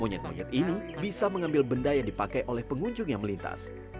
monyet monyet ini bisa mengambil benda yang dipakai oleh pengunjung yang melintas